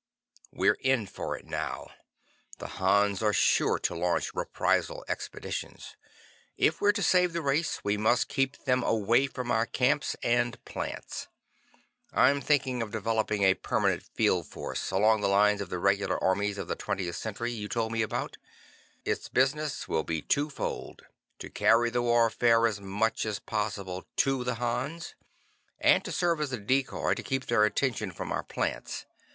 "We're in for it now. The Hans are sure to launch reprisal expeditions. If we're to save the race we must keep them away from our camps and plants. I'm thinking of developing a permanent field force, along the lines of the regular armies of the 20th Century you told me about. Its business will be twofold: to carry the warfare as much as possible to the Hans, and to serve as a decoy, to keep their attention from our plants.